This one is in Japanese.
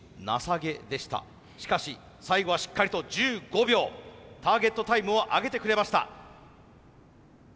しかし最後はしっかりと１５秒ターゲットタイムを挙げてくれました。